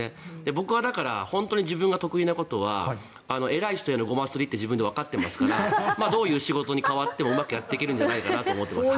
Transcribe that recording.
僕はだから本当に自分が得意なことは偉い人へのごますりって自分でわかっていますからどういう仕事に変わってもうまくやっていけるんじゃないかと思っています。